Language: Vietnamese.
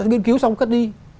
nghiên cứu xong cất đi